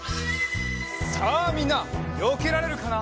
さあみんなよけられるかな？